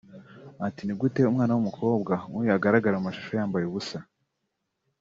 ati “Ni gute umwana w’umukobwa nk’uyu agaragara mu mashusho yambaye ubusa